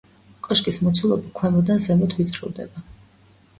კოშკის მოცულობა ქვემოდან ზემოთ ვიწროვდება.